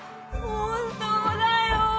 本当だよ。